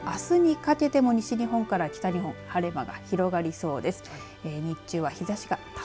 日付が変わったあとあすにかけての西日本から北日本晴れ間が広がりそうです。